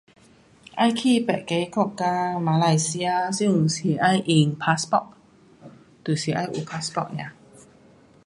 要去其他国家马来西亚现在用 [passport] 就是需要 [passport] 而已。